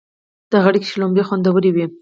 د غړکی شلومبی خوندوری وی.